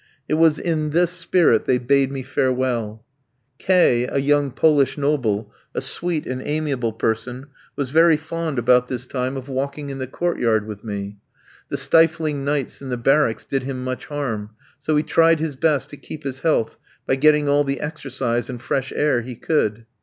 It was in this spirit they bade me farewell. K schniski, a young Polish noble, a sweet and amiable person, was very fond, about this time, of walking in the court yard with me. The stifling nights in the barracks did him much harm, so he tried his best to keep his health by getting all the exercise and fresh air he could.